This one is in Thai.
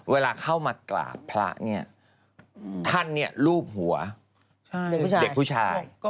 เวลาเข้ามากราบพระเนี่ยท่านลูบหัวเด็กผู้ชาย